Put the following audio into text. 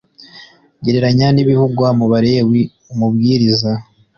(gereranya n’ibivugwa mu balewi ,umubwiriza .)